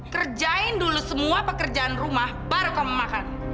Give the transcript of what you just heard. kerjain dulu semua pekerjaan rumah baru kamu makan